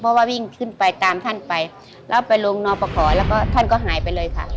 เพราะว่าวิ่งขึ้นไปตามท่านไปแล้วไปลงนอปขอแล้วก็ท่านก็หายไปเลยค่ะ